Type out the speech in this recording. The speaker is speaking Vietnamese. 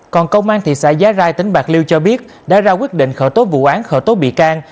còn công an thị xã giá rai tỉnh bạc liêu cho biết đã ra quyết định khởi tố vụ án khởi tố bị can